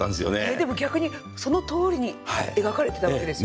でも逆にそのとおりに描かれてたわけですよね。